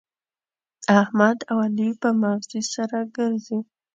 احمد او علي په مغزي سره ګرزي.